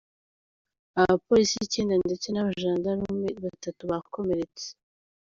Abapolisi icyenda ndetse n’abajandarume batatu bakomeretse.